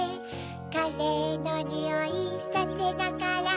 カレーのにおいさせながら